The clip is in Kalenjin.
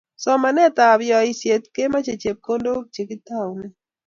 Somanetab yoisiet komochei chepkondok che kitoune